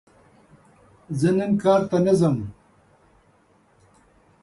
زه نن کار ته نه ځم!